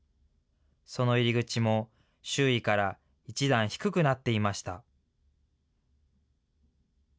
その入り口も周囲から１段低くなっていました。